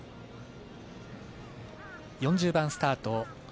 ４０番スタート